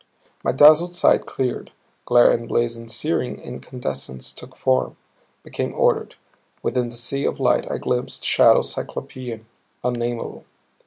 My dazzled sight cleared, glare and blaze and searing incandescence took form, became ordered. Within the sea of light I glimpsed shapes cyclopean, unnameable.